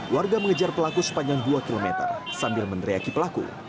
warga mengejar pelaku sepanjang dua km sambil meneriaki pelaku